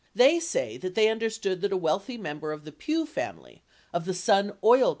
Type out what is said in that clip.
They say that they understood that a wealthy member of the Pew family, of the Sun Oil Co.